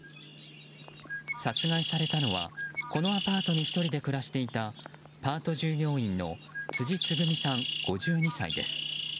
殺害されたのは、このアパートに１人で暮らしていたパート従業員の辻つぐみさん、５２歳です。